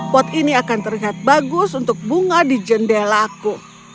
pot ini akan terlihat bagus untuk bunga di jendela aku